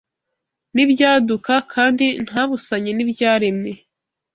n’ibyaduka kandi ntabusanye n’ibyaremwe